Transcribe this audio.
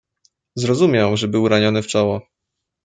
"Zrozumiał, że był raniony w czoło."